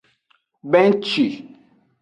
Benci.